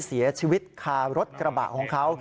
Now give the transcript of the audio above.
เสียชีวิตคารถกระบะของเขา